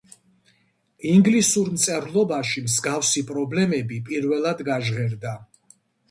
ინგლისურ მწერლობაში მსგავსი პრობლემები პირველად გაჟღერდა.